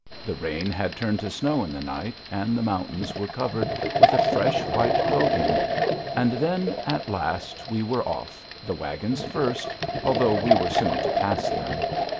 The rain had turned to snow in the night, and the mountains were covered with a fresh white coating. And then, at last, we were off, the wagons first, although we were soon to pass them.